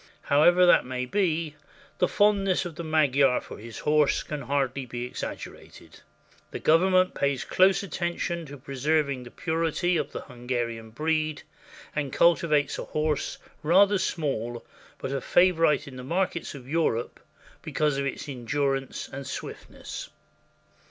However that may be, the fondness of the Magyar for his horse can hardly be exaggerated. The Government pays close attention to preserving the purity of the Hunga rian breed, and cultivates a horse rather small, but a favorite in the markets of Europe because of its endurance and swift ness.